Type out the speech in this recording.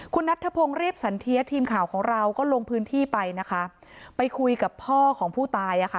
คุณนัทธพงศ์เรียบสันเทียทีมข่าวของเราก็ลงพื้นที่ไปนะคะไปคุยกับพ่อของผู้ตายอ่ะค่ะ